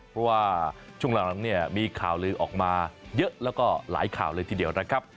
เพราะว่าช่วงหลังเนี่ยมีข่าวลือออกมาเยอะแล้วก็หลายข่าวเลยทีเดียวนะครับ